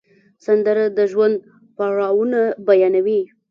سندره د ژوند پړاوونه بیانوي